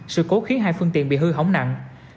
sự cố khiến hai phương tiện bị hư hỏng nặng